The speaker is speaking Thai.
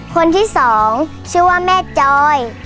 คนที่สองชื่อว่าแม่จอย